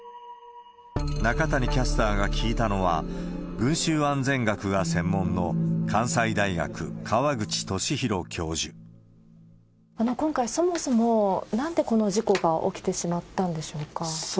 中谷キャスターが聞いたのは、群衆安全学が専門の、今回、そもそもなんでこの事故が起きてしまったんでしょうか？